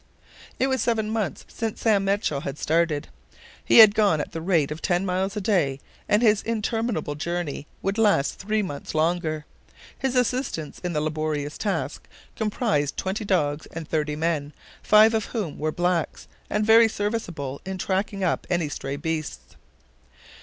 It was seven months since Sam Machell had started. He had gone at the rate of ten miles a day, and his interminable journey would last three months longer. His assistants in the laborious task comprised twenty dogs and thirty men, five of whom were blacks, and very serviceable in tracking up any strayed beasts.